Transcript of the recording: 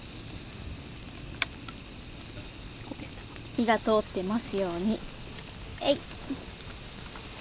火が通ってますようにえいっ。